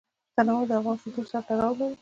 تنوع د افغان کلتور سره تړاو لري.